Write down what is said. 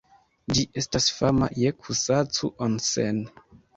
Ĝi estas fama je Kusacu-Onsen.